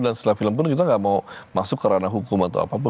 dan setelah film pun kita gak mau masuk ke ranah hukum atau apapun